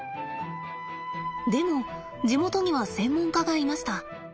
でも地元には専門家がいました。